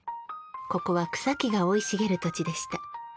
ここは草木が生い茂る土地でした。